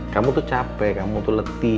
kamu tuh capek kamu tuh letih